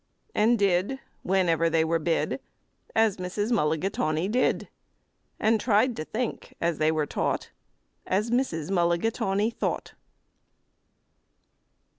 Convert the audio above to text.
And did, whenever they were bid, As Mrs. Mulligatawny did, And tried to think, as they were taught, As Mrs. Mulligatawny thought.